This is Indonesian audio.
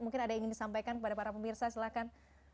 mungkin ada yang ingin disampaikan kepada para pemirsa silahkan